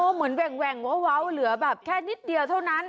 เหมือนแหว่งเว้าเหลือแบบแค่นิดเดียวเท่านั้น